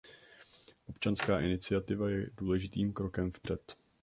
Občanská iniciativa je důležitým krokem vpřed.